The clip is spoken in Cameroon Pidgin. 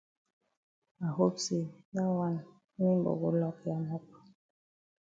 I hope say dat wan mimbo go lock ya mop.